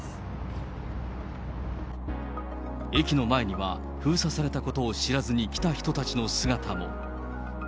駅の前には、封鎖されたことを知らずに来た人たちの姿も。